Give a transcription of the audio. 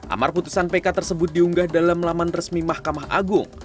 amar putusan pk tersebut diunggah dalam laman resmi mahkamah agung